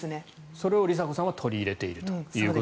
それを梨紗子さんは取り入れていると。